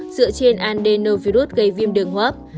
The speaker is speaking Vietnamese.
dựa trên adenovirus gây viêm đường hốp